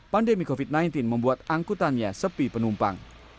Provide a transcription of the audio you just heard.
pandemi covid sembilan belas membuat angkutannya sepi penumpang